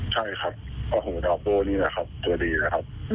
ใช่ครับโอ้โหดาโบ้นี่แหละครับตัวดีนะครับ